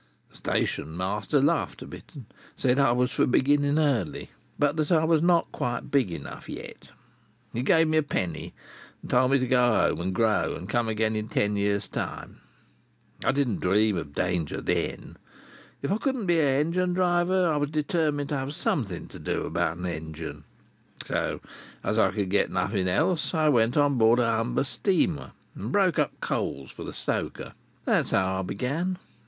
The station master laughed a bit, said I was for beginning early, but that I was not quite big enough yet. He gave me a penny, and told me to go home and grow, and come again in ten years' time. I didn't dream of danger then. If I couldn't be a engine driver, I was determined to have something to do about a engine; so, as I could get nothing else, I went on board a Humber steamer, and broke up coals for the stoker. That was how I began.